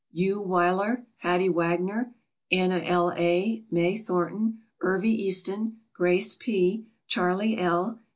U. Weiler, Hattie Wagner, Anna L. A., May Thornton, Irvie Easton, Grace P., Charlie L.